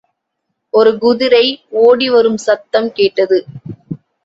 ஒரு குதிரை ஓடிவரும் சத்தம் கேட்டது.